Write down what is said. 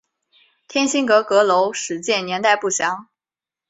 天心阁阁楼始建年代不详。